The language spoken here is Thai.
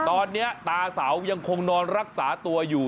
ตอนนี้ตาเสายังคงนอนรักษาตัวอยู่